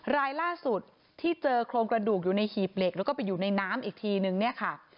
รายล่าสุดที่เจอโครงกระดูกอยู่ในหีบเหล็กแล้วก็ไปอยู่ในน้ำอีกทีนึงเนี่ยค่ะ